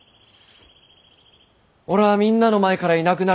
俺はみんなの前からいなくなる。